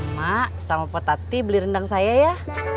mak sama potati beli rendang saya ya